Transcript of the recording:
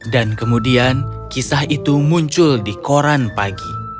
dan kemudian kisah itu muncul di koran pagi